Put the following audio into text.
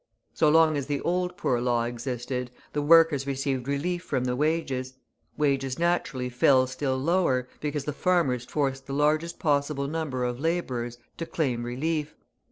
So long as the old Poor Law existed, the workers received relief from the rates; wages naturally fell still lower, because the farmers forced the largest possible number of labourers to claim relief.